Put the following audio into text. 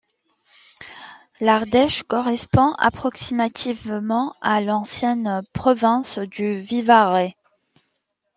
L'Ardèche correspond approximativement à l'ancienne province du Vivarais.